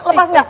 eh lepas gak